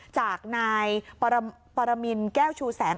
จากนายปรมินแก้วชูแสง